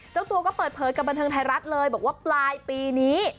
เจ้าตัวก็เปิดเผยกับบันเทิงไทยรัฐเลยบอกว่าปลายปีนี้